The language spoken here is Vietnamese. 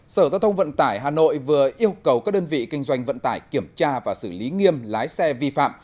sở giao thông vận tải hà nội vừa yêu cầu các đơn vị kinh doanh vận tải kiểm tra và xử lý nghiêm lái xe vi phạm